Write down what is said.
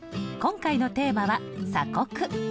今回のテーマは鎖国。